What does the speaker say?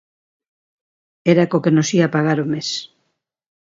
Era co que nos ía pagar o mes.